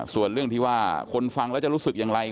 ส่วนเรื่องที่ว่าคนฟังแล้วจะรู้สึกอย่างไร